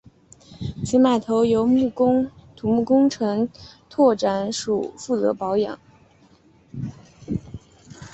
此码头由土木工程拓展署负责保养。